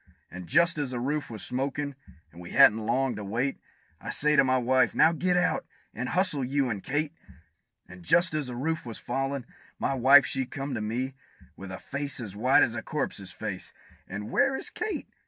And just as the roof was smokin', and we hadn't long to wait, I says to my wife, "Now get out, and hustle, you and Kate!" And just as the roof was fallin', my wife she come to me, With a face as white as a corpse's face, and "Where is Kate?"